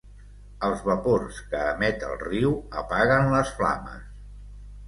Els vapors que emet el riu, apaguen les flames.